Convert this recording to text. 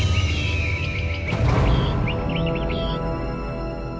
ya udah kita pergi dulu ya